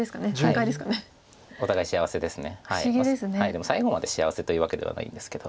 でも最後まで幸せというわけではないんですけど。